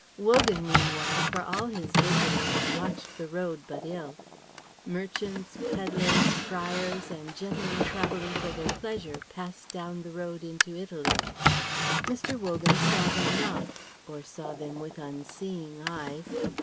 Wogan meanwhile for all his vigilance watched the road but ill. Merchants, pedlars, friars, and gentlemen travelling for their pleasure passed down the road into Italy. Mr. Wogan saw them not, or saw them with unseeing eyes.